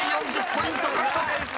４０ポイント獲得］